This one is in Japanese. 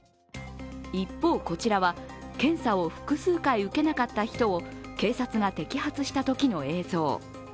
一方、こちらは検査を複数回、受けなかった人を警察が摘発したときの映像。